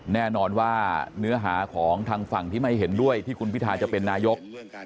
แน่นอนว่าเนื้อหาของทางฝั่งที่ไม่เห็นด้วยที่คุณพิทาจะเป็นนายก